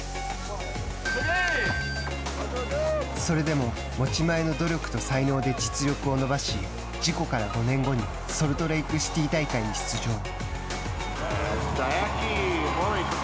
それでも持ち前の努力と才能で実力を伸ばし事故から５年後にソルトレークシティー大会に出場。